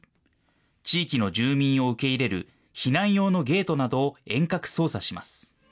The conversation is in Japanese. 地域の住民を受け入れる避難用のゲートなどを遠隔操作します。